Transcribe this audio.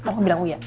mau bilang uya ya